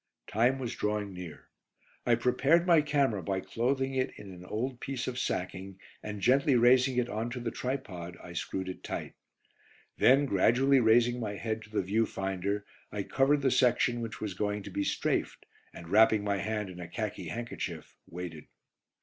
Time was drawing near. I prepared my camera by clothing it in an old piece of sacking, and gently raising it on to the tripod I screwed it tight. Then gradually raising my head to the view finder, I covered the section which was going to be "strafed," and wrapping my hand in a khaki handkerchief, waited.